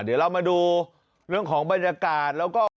เดี๋ยวเรามาดูเรื่องของบรรยากาศแล้วก็